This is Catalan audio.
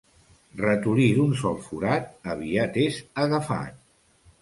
Ratolí d'un sol forat, aviat és agafat.